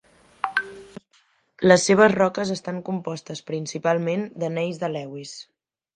Les seves roques estan compostes principalment de gneis de Lewis.